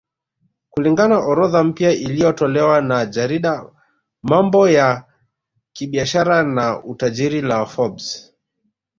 Kulingana orodha mpya iliyotolewa na jarida mambo ya kibiashara na utajiri la Forbes